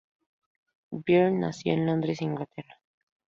Byrne nació en Londres, Inglaterra.